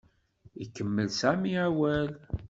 Ikemmel Sami awal.